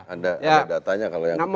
anda ada tanya kalau yang polisi kan